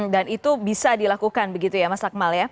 dan itu bisa dilakukan begitu ya mas akmal ya